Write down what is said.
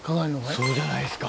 そうじゃないですか。